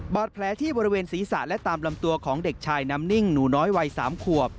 แผลที่บริเวณศีรษะและตามลำตัวของเด็กชายน้ำนิ่งหนูน้อยวัย๓ขวบ